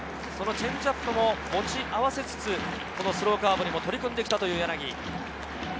チェンジアップも持ち合わせつつ、スローカーブにも取り組んできたという柳。